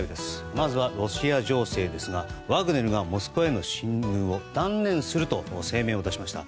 まずはロシア情勢ですがワグネルがモスクワへの進軍を断念すると声明を出しました。